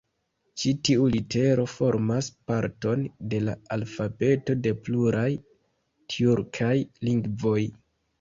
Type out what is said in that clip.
Ĉi tiu litero formas parton de la alfabeto de pluraj tjurkaj lingvoj.